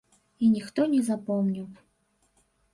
І ніхто не запомніў.